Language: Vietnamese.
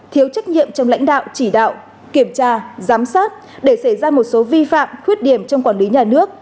thiếu trách nhiệm trong lãnh đạo chỉ đạo kiểm tra giám sát để xảy ra một số vi phạm khuyết điểm trong quản lý nhà nước